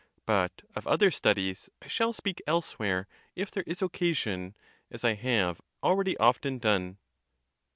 But of other studies I shall speak elsewhere if there is occasion, as I have already often done.